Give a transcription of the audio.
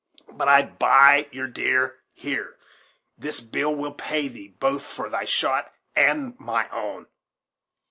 But I buy your deer here, this bill will pay thee, both for thy shot and my own."